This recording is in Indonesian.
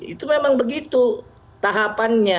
itu memang begitu tahapannya